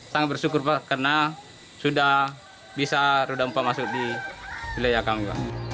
sangat bersyukur pak karena sudah bisa roda empat masuk di wilayah kami